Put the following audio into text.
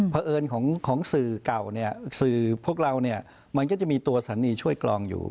เพราะเอิญของสื่อเก่าเนี่ยสื่อพวกเราเนี่ยมันก็จะมีตัวสถานีช่วยกรองอยู่